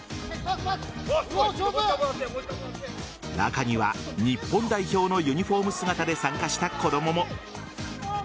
中には日本代表のユニホーム姿で参加した子供も。